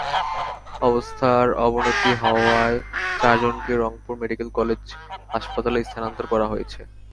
অবস্থার অবনতি হওয়ায় চারজনকে রংপুর মেডিকেল কলেজ হাসপাতালে স্থানান্তর করা হয়েছে।